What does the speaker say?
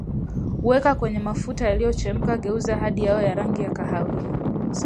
Weka kwenye mafuta yanayochemka geuza hadi yawe na rangi ya kahawia